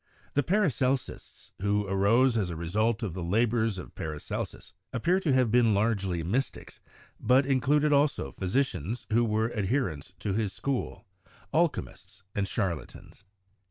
The Paracelsists, who arose as a result of the labors of Paracelsus, appear to have been largely mystics, but in cluded also physicians who were adherents to his school, alchemists, and charlatans.